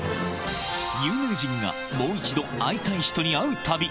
有名人がもう一度会いたい人に会う旅。